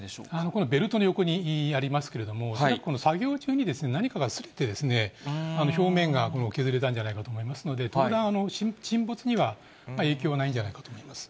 これ、ベルトの横にありますけれども、作業中に何かがすれて、表面が削れたんじゃないかと思いますので、特段、沈没には影響はないんじゃないかと思います。